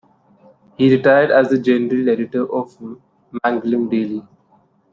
He retired as the General Editor of the Mangalam daily.